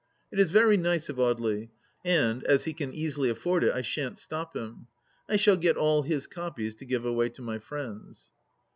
It is very nice of Audely, and as he can easily afford it I shan't stop him. I shall get all his copies to give away to my friends.